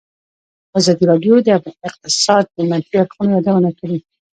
ازادي راډیو د اقتصاد د منفي اړخونو یادونه کړې.